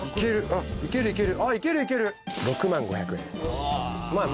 ああいけるいける。